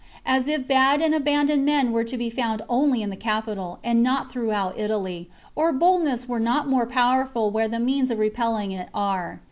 As if bad and abandoned men were to be found only in the capital, and not throughout Italy, or boldness were not more powerful where the means of repelling it are less!